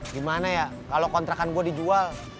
gimana ya kalau kontrakan gue dijual